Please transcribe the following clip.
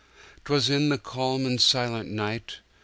'Twas in the calm and silent night!